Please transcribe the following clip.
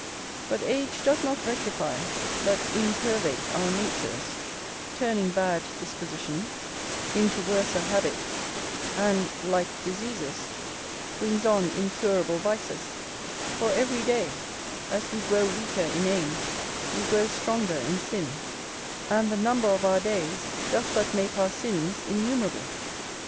But age doth not rectify, but incurvate our natures, turning bad dispositions into worser habits, and (like diseases) brings on incurable vices; for every day, as we grow weaker in age, we grow stronger in sin, and the number of our days doth but make our sins innumerable.